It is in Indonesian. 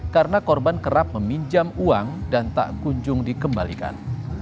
karena korban kerap meminjam uang dan tak kunjung dikembalikan